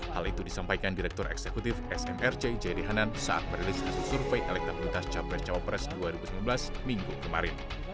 hal itu disampaikan direktur eksekutif smrc jayadi hanan saat merilis hasil survei elektabilitas capres cawapres dua ribu sembilan belas minggu kemarin